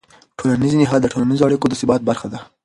ټولنیز نهاد د ټولنیزو اړیکو د ثبات برخه ده.